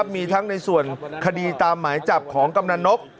มีทั้งในส่วนคดีตามหมายจับของกำนันนก